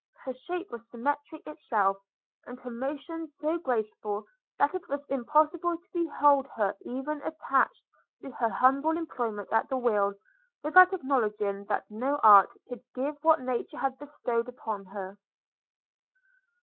Her shape was symmetry itself, and her motions so graceful, that it was impossible to behold her even attached to her humble employment at the wheel, without acknowledging that no art could give what nature had bestowed upon her.